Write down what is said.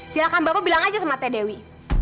silahkan bapak bilang aja sama teh dewi